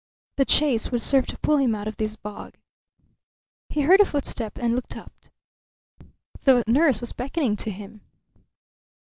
The chase would serve to pull him out of this bog. He heard a footstep and looked up. The nurse was beckoning to him.